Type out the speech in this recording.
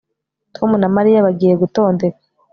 Tom na Mariya bagiye gutondeka